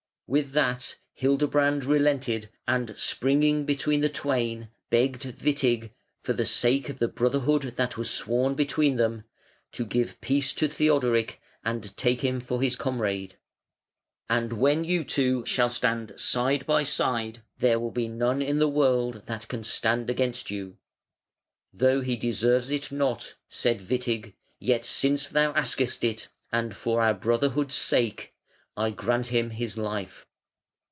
With that Hildebrand relented, and springing between the twain, begged Witig, for the sake of the brotherhood that was sworn between them, to give peace to Theodoric and take him for his comrade "And when you two shall stand side by side there will be none in the world that can stand against you". "Though he deserves it not", said Witig, "yet since thou askest it, and for our brotherhood's sake, I grant him his life".